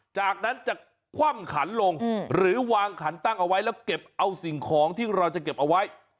จากนั้นจะคว่ำขันลงหรือวางขันตั้งเอาไว้แล้วเก็บเอาสิ่งของที่เราจะเก็บเอาไว้